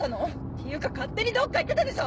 ていうか勝手にどっか行ってたでしょ！